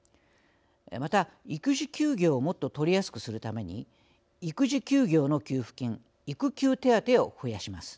また育児休業をもっと取りやすくするために育児休業の給付金育休手当を増やします。